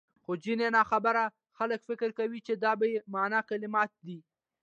خو ځيني ناخبره خلک فکر کوي چي دا بې مانا کلمات دي،